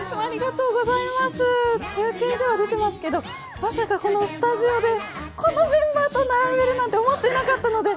中継では出てますけどまさかスタジオでこのメンバーと並べると思ってなかったので。